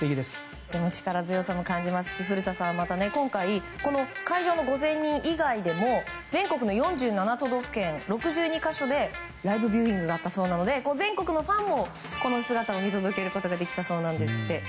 力強さも感じますし古田さん、今回会場の５０００人以外でも全国の都道府県６２か所でもライブビューイングがあったそうで全国のファンもこの姿を見届けることができたそうなんですって。